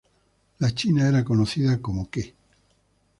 En China era conocida como Ke.